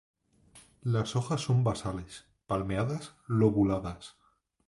Las hojas son basales, palmeadas lobuladas.